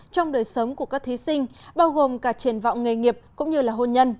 trong đời sớm của các thành phố